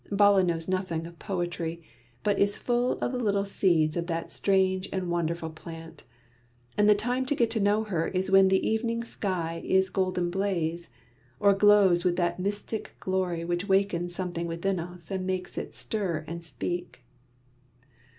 Bala knows nothing of poetry, but is full of the little seeds of that strange and wonderful plant; and the time to get to know her is when the evening sky is a golden blaze, or glows with that mystic glory which wakens something within us and makes it stir and speak.